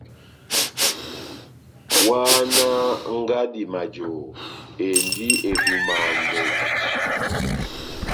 Ohahánaha ngadi majohó, endi edúmaha moto !